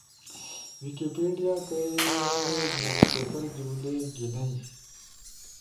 ویکیپیڈیا کئی مکٹصر جملئی گھینئی۔